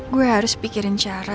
gue harus pikirin cara